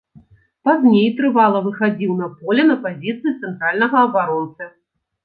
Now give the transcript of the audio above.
Пазней трывала выхадзіў на поле на пазіцыі цэнтральнага абаронцы.